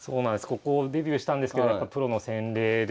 ここデビューしたんですけどやっぱプロの洗礼でですね